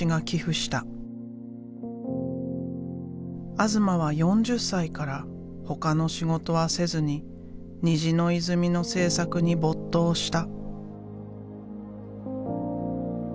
東は４０歳からほかの仕事はせずに「虹の泉」の制作に没頭した。